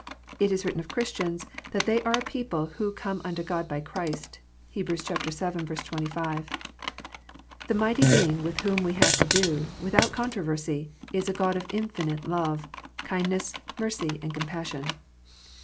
It is written of Christians, that they are a people who " come unto God by Christ." (Heb. vii. 25.) The mighty Being with whom we have to do, without controversy, is a God of infinite love, kindness, mercy, and compassion.